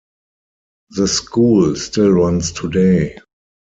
The school still runs today.